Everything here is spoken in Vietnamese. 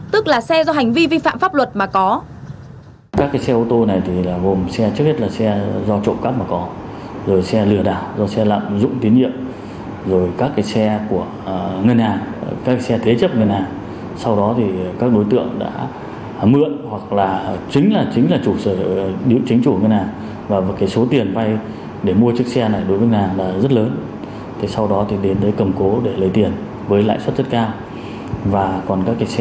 tức là xe do hành vi vi phạm pháp luật mà có